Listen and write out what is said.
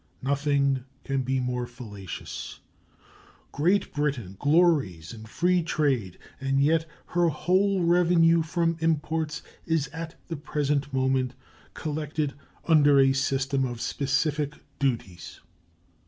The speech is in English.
Nothing can be more fallacious. Great Britain glories in free trade, and yet her whole revenue from imports is at the present moment collected under a system of specific duties.